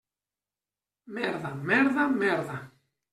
Merda, merda, merda!